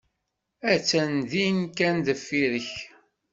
Attan din kan deffir-k.